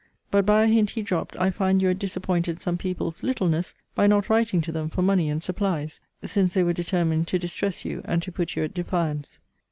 But, by a hint he dropt, I find you had disappointed some people's littleness, by not writing to them for money and supplies; since they were determined to distress you, and to put you at defiance.